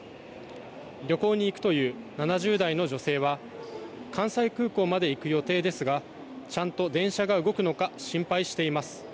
旅行に行くという７０代の女性は関西空港まで行く予定ですがちゃんと電車が動くのか心配しています。